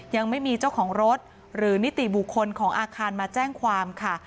ยังไม่มีเจ้าของรถหรือนิติบุคคลของอาคารมาแจ้งความค่ะ